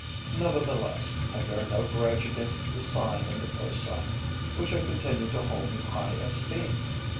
Nevertheless, I bear no grudge against the sine and the cosine, which I continue to hold in high esteem.